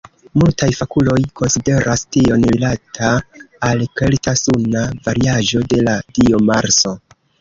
Multaj fakuloj konsideras tion rilata al kelta suna variaĵo de la dio Marso.